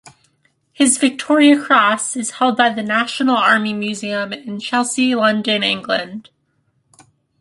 His Victoria Cross is held by the National Army Museum in Chelsea, London, England.